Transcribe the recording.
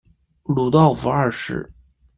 鲁道夫二世。